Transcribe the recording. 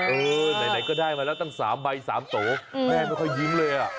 เออในไหนก็ได้มาแล้วตั้งสามใบสามโต๊ะแม่ไม่ค่อยยิ้มเลยอ่ะ